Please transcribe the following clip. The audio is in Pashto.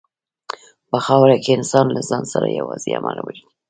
په خاوره کې انسان له ځان سره یوازې عمل وړي.